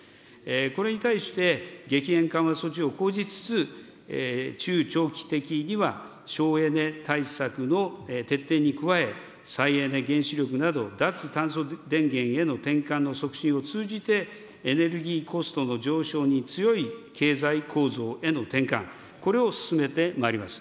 これに対して、激変緩和措置を講じつつ、中長期的には省エネ対策の徹底に加え、再エネ、原子力など、脱炭素電源への転換の促進を通じて、エネルギーコストの上昇に強い経済構造への転換、これを進めてまいります。